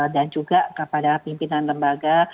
dan juga kepada pimpinan lembaga